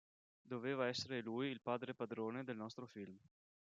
Doveva essere lui il "padre padrone" del nostro film.